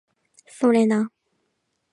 それな